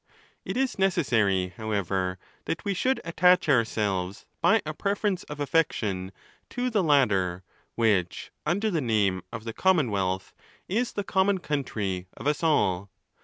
It is necessary, how ever, that we should attach ourselves by a preference of affection to the latter, which, under the name of the Com monwealth, is the common country of us all.